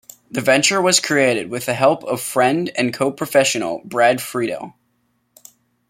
The venture was created with the help of friend and co-professional Brad Friedel.